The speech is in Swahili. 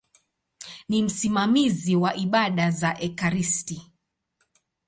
Ni msimamizi wa ibada za ekaristi.